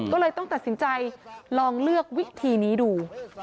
ก็เลยต้องตัดสินใจลองเลือกวิธีนี้ดู